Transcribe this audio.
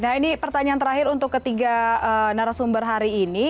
nah ini pertanyaan terakhir untuk ketiga narasumber hari ini